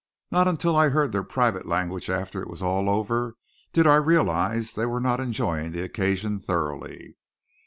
Not until I heard their private language after it was all over did I realize they were not enjoying the occasion thoroughly.